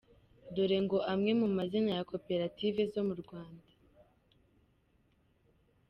Dore ngo amwe mu mazina ya Koperative zo mu Rwanda.